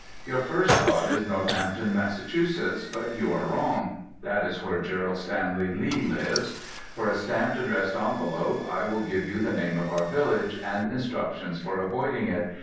Your first thought is Northampton, Mass., but you are wrong. That is where Gerald Stanley Lee lives. For a stamped, addressed envelope I will give you the name of our village, and instructions for avoiding it.